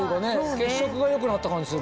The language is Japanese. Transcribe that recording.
血色が良くなった感じする。